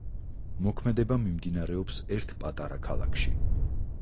მოქმედება მიმდინარეობს ერთ პატარა ქალაქში.